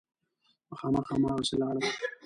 مخامخ هماغسې لاړم.